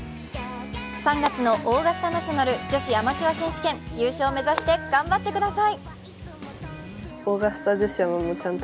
３月のオーガスタナショナル女子アマチュア選手権、優勝目指して頑張ってください。